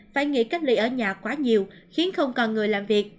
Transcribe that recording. phải nghĩ cách ly ở nhà quá nhiều khiến không còn người làm việc